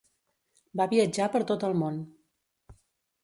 Va viatjar per tot el món.